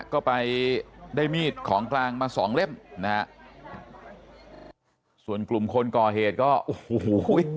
ก็ไปได้มีดของกลางมาสองเล่มนะฮะส่วนกลุ่มคนก่อเหตุก็โอ้โห